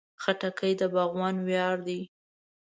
خټکی د باغوان ویاړ دی.